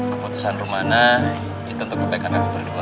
keputusan rumahnya itu untuk kebaikan kami berdua